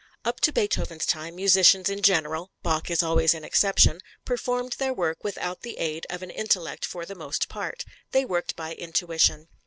Up to Beethoven's time musicians in general (Bach is always an exception) performed their work without the aid of an intellect for the most part; they worked by intuition.